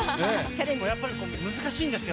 やっぱり難しいんですよ。